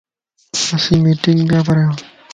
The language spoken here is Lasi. اسين مٽينگ پيا ڪريان